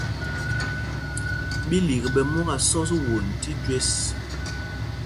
Bílîk ɓɛ mú ká sɔ̄s won tí jüés.